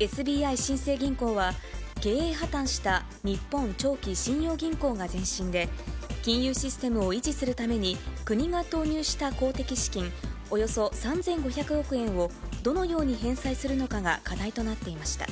ＳＢＩ新生銀行は、経営破綻した日本長期信用銀行が前身で、金融システムを維持するために、国が投入した公的資金およそ３５００億円を、どのように返済するのかが課題となっていました。